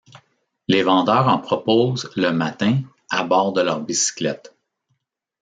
Les vendeurs en proposent le matin à bord de leur bicyclette.